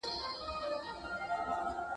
لوټه ايږدي پښه پر ايږدي.